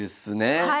はい。